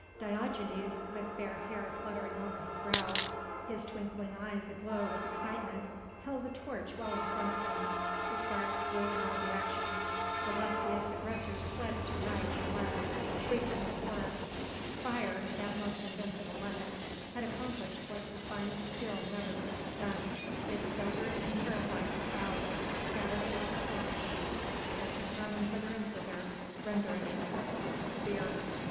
Diogenes, with fair hair fluttering over his brow, his twinkling eyes aglow with excitement, held the torch well in front of him, the sparks flew in all directions, the lustiest aggressors fled to right and left, shrieking with horror. Fire that most invincible weapon had accomplished what the finest steel never could have done; it sobered and terrified the crowd, scattered it like a flock of sheep, sent it running hither and thither, rendering it helpless by fear.